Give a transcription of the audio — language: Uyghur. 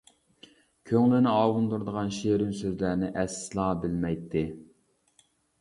كۆڭلىنى ئاۋۇندۇرىدىغان شېرىن سۆزلەرنى ئەسلا بىلمەيتتى.